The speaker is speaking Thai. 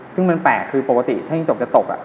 ซึ่งมันแปลกคือปกติถ้ายิ่งจบจะตก